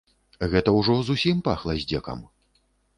Гэта ўжо зусім пахла здзекам.